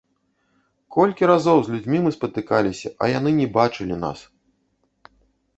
Колькі разоў з людзьмі мы спатыкаліся, а яны не бачылі нас!